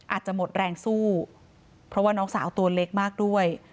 อาจจะหมดแรงสู้เพราะว่าน้องสาวตัวเล็กมากด้วย